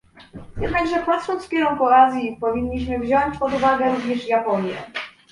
Jednakże patrząc w kierunku Azji, powinniśmy wziąć pod uwagę również Japonię